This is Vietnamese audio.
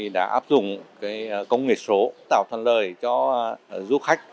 đã áp dụng công nghệ số tạo thân lời cho du khách